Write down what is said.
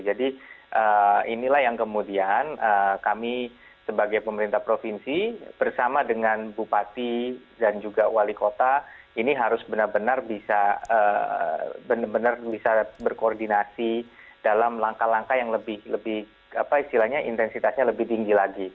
jadi inilah yang kemudian kami sebagai pemerintah provinsi bersama dengan bupati dan juga wali kota ini harus benar benar bisa berkoordinasi dalam langkah langkah yang lebih intensitasnya lebih tinggi lagi